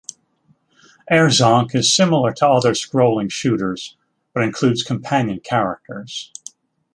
"Air Zonk" is similar to other scrolling shooters, but includes companion characters.